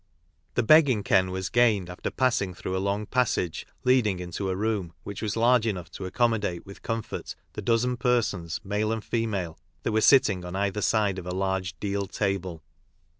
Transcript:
The "begging ken" was gained after passing through a long passage leading into a room, which was large enough to accommodate with comfort the dozen persons, male and female, that were sitting on either side of a large deal table.